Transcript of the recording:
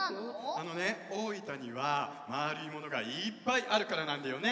あのね大分にはまるいものがいっぱいあるからなんだよねワンワン。